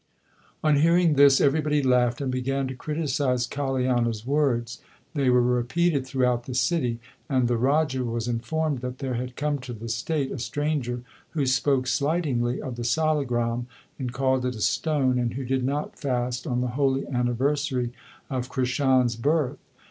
2 On hearing this everybody laughed and began to criticize Kaliana s words. They were repeated throughout the city, and the Raja was informed that there had come to the state a stranger who spoke slightingly of the salagram and called it a stone, and who did not fast on the holy anniversary of Krishan s birth.